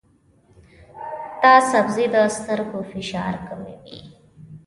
دا سبزی د سترګو فشار کموي.